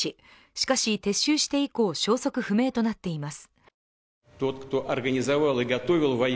しかし、撤収して以降消息不明となっています。